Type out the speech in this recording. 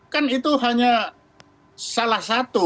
kan itu hanya salah satu